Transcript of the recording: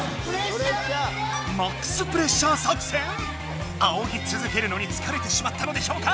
ＭＡＸプレッシャー作戦⁉あおぎつづけるのにつかれてしまったのでしょうか